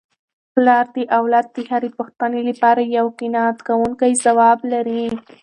پلار د اولاد د هرې پوښتني لپاره یو قناعت کوونکی ځواب لري.